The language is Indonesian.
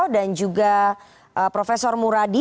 dan juga profesor muradi